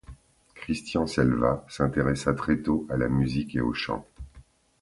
Christian Selva s'intéressa très tôt à la musique et au chant.